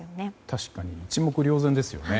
確かに一目瞭然ですね。